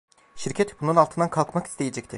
Şirket, bunun altından kalkmak isteyecekti.